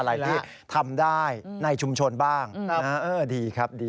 อะไรที่ทำได้ในชุมชนบ้างดีครับดี